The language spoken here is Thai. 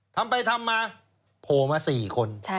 ทำไปทำมาโผล่มา๔คน